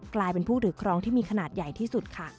กลายเป็นผู้ถือครองที่มีขนาดใหญ่ที่สุดค่ะ